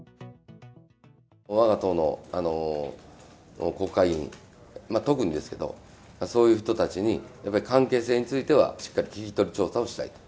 わが党の国会議員に、特にですけど、そういう人たちに、やっぱり関係性については、しっかり聞き取り調査をしたいと。